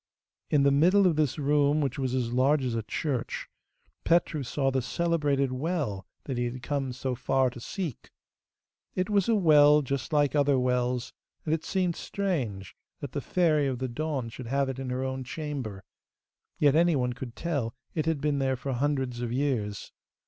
In the middle of this room, which was as large as a church, Petru saw the celebrated well that he had come so far to seek. It was a well just like other wells, and it seemed strange that the Fairy of the Dawn should have it in her own chamber; yet anyone could tell it had been there for hundreds of years.